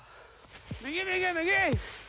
右右右！